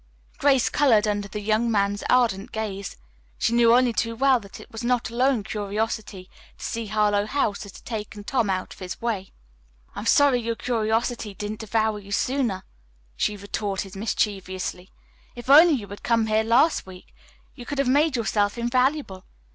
Grace colored under the young man's ardent gaze. She knew only too well that it was not alone curiosity to see Harlowe House that had taken Tom out of his way. "I'm sorry your curiosity didn't devour you sooner," she retorted mischievously. "If only you had come here last week! You could have made yourself invaluable.